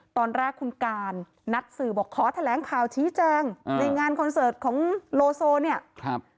ตอนแรกคุณการนัดสื่อบอกขอแถลงข่าวชี้แจงในงานคอนเสิร์ตของโลโซเนี่ย